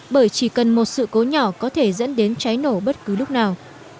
bởi chỉ cần một sự cố nhỏ có thể dẫn đến cháy nổ bất cứ lúc nào